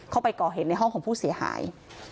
เข้าไปก่อเหตุในห้องของผู้เสียหาย